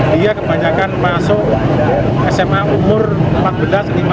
dia kebanyakan masuk sma umur empat belas lima belas